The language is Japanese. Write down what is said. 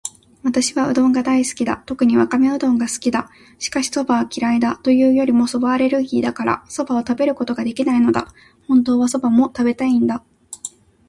私はうどんが大好きだ。特にわかめうどんが好きだ。しかし、蕎麦は嫌いだ。というよりも蕎麦アレルギーだから、蕎麦を食べることができないのだ。本当は蕎麦も食べたいんだ。